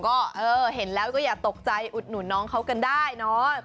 ก็เห็นแล้วก็อย่าตกใจอุดหนุนน้องเขากันได้เนอะ